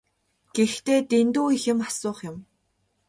Гэхдээ дэндүү их юм асуух юм.